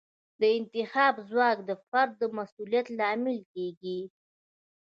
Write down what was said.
د انتخاب ځواک د فرد د مسوولیت لامل کیږي.